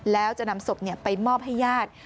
แล้วจะนำศพไปมอบให้ญาติ